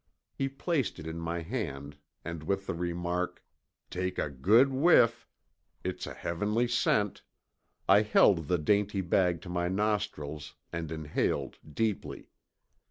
He placed it in my hand and with the remark, "Take a good whiff. It's a heavenly scent." I held the dainty bag to my nostrils and inhaled deeply.